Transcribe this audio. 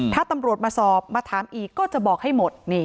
ถ้าตำรวจมาสอบมาถามอีกก็จะบอกให้หมด